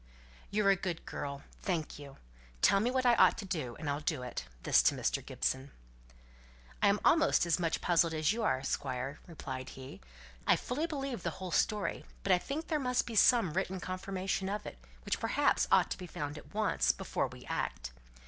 "You're a good girl. Thank you. Tell me what I ought to do, and I'll do it." This to Mr. Gibson. "I'm almost as much puzzled as you are, Squire," replied he. "I fully believe the whole story; but I think there must be some written confirmation of it, which perhaps ought to be found at once, before we act.